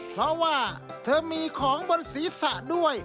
เพราะว่าเธอมีของบนศีรษะด้วย